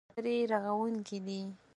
دا خبرې اترې رغوونکې دي.